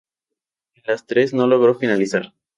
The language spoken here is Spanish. En las tres no logró finalizar.